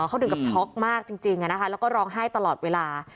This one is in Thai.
เขาถึงกับช็อกมากจริงแล้วก็ร้องไห้ตลอดเวลา